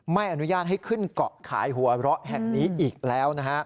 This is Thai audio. ไม่อนุญาตให้ขึ้นเกาะขายหัวเราะแห่งนี้อีกแล้วนะฮะ